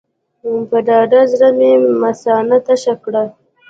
په ډاډه زړه مې مثانه تشه کړه.